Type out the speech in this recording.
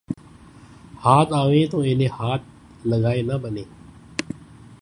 ہاتھ آویں تو انہیں ہاتھ لگائے نہ بنے